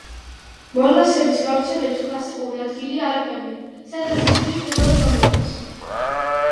მოლასების გავრცელების კლასიკური ადგილია ალპები, სადაც ისინი პირველად გამოყვეს.